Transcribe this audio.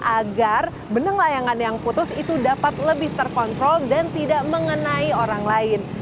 agar benang layangan yang putus itu dapat lebih terkontrol dan tidak mengenai orang lain